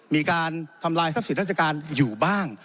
มีการทำลายทรัพย์สินทรัพย์สถานการณ์อยู่บ้าง